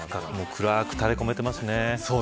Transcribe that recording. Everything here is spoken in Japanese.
暗く垂れ込めていますね。